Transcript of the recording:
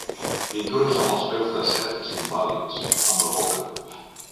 Pintures amb els peus de certs invàlids, amb la boca.